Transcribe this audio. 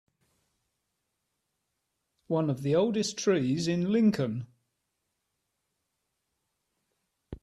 One of the oldest trees in Lincoln.